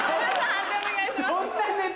判定お願いします。